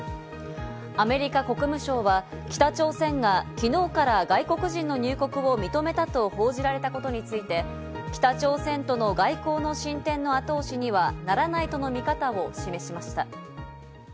アメリカ国務省は北朝鮮がきのうから外国人の入国を認めたと報じられたことについて、北朝鮮との外交の進展の後押しにはならないとの見方を示しました。